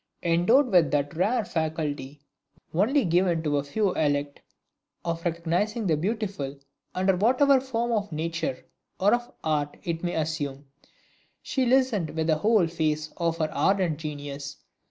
Endowed with that rare faculty only given to a few elect, of recognizing the Beautiful under whatever form of nature or of art it may assume, she listened with the whole force of her ardent genius.